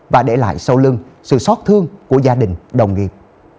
và để lại sau lưng sự sót thương của gia đình đồng nghiệp